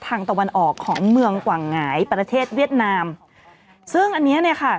ตะวันออกของเมืองกว่างหงายประเทศเวียดนามซึ่งอันเนี้ยเนี้ยค่ะ